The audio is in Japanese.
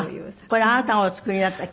これあなたがお作りになった。